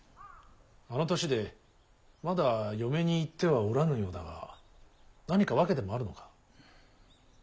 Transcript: あの年でまだ嫁に行ってはおらぬようだが何か訳でもあるのか。